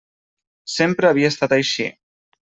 Sempre havia estat així.